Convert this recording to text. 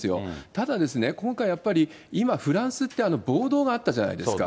ただですね、今回、やっぱり今フランスって暴動があったじゃないですか。